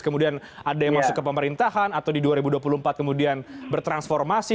kemudian ada yang masuk ke pemerintahan atau di dua ribu dua puluh empat kemudian bertransformasi